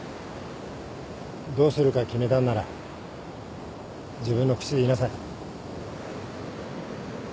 どうするか決めたんなら自分の口で言いなさい。